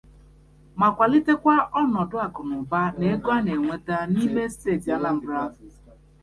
ma kwàlitekwa ọnọdụ akụnụba na ego a na-enweta n'ime steeti Anambra.